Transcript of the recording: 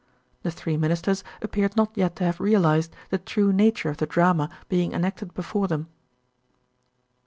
The three Ministers appeared not yet to have realised the true nature of the drama being enacted before them.